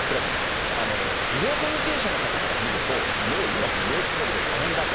医療関係者の方から見ると、もう今、医療ひっ迫で大変だと。